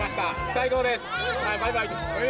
最高です！